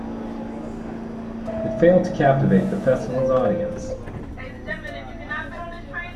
It failed to captivate the Festival's audience.